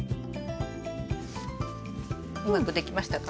うまくできましたか？